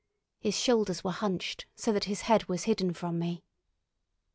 His shoulders were hunched, so that his head was hidden from me.